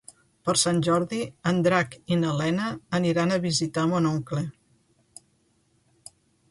Per Sant Jordi en Drac i na Lena aniran a visitar mon oncle.